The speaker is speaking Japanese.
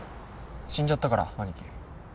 死んじゃったから兄貴。